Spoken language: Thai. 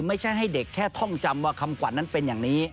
ให้เด็กแค่ท่องจำว่าคำขวัญนั้นเป็นอย่างนี้